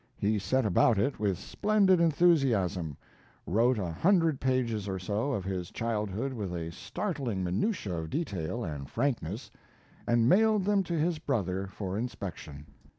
He set about it with splendid enthusiasm, wrote a hundred pages or so of his childhood with a startling minutia of detail and frankness, and mailed them to his brother for inspection.